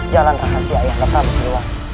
jalan rahasia yang tak terlalu seluar